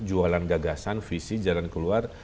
jualan gagasan visi jalan keluar